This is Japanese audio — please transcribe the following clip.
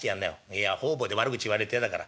いや方々で悪口言われると嫌だから。